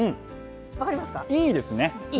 いいですね！